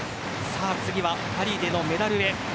次はパリへのメダルへ。